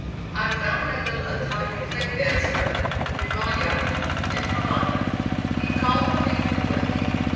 I found my little Italian plate dancer, Vivalla, in Havana. He called on me frequently.